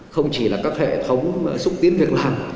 không chỉ là các hệ thống xúc tiến việc làm